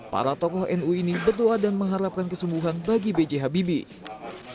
para tokoh nu ini berdoa dan mengharapkan kesembuhan bagi b j habibie